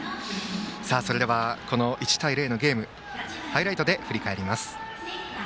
それでは１対０のゲームハイライトで振り返ります。